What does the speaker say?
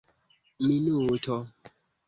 minuto